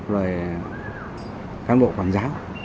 rồi cán bộ quản giáo